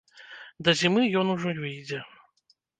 Да зімы ён ужо выйдзе.